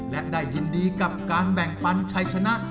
และได้ยินดีกับการแบ่งปันชัยชนะ